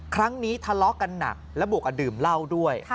ครั้งนี้ทะเลาะกันหนักและบวกกับดื่มเหล้าด้วย